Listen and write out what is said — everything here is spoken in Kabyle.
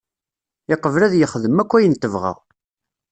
Yeqbel ad yexdem akk ayen tebɣa.